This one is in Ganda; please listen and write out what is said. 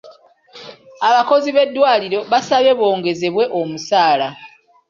Abakozi b'eddwaliro baasabye bongezebwe omusaala.